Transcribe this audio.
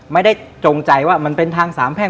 จงใจว่ามันเป็นทางสามแพ่ง